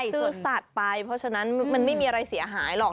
ซื่อสัตว์ไปเพราะฉะนั้นมันไม่มีอะไรเสียหายหรอก